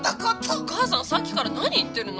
お母さんさっきから何言ってるの？